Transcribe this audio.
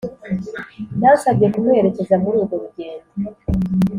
yansabye kumuherekeza muri urwo rugendo